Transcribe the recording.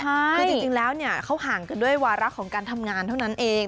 คือจริงแล้วเนี่ยเขาห่างกันด้วยวาระของการทำงานเท่านั้นเอง